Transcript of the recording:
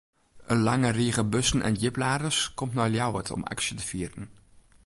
In lange rige bussen en djipladers komt nei Ljouwert om aksje te fieren.